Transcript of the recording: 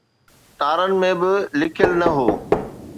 تارن ۾ به لکيل نه هو.